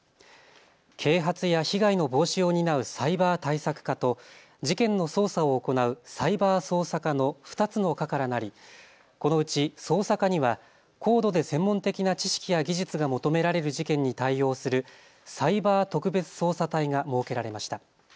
啓発や被害の防止を担うサイバー対策課と事件の捜査を行うサイバー捜査課の２つの課からなりこのうち捜査課には高度で専門的な知識や技術が求められる事件に対応するサイバー特別捜査隊が設けられました。